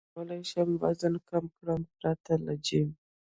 څنګه کولی شم وزن کم کړم پرته له جیم